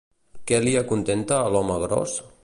Què li acontenta a l'home gros?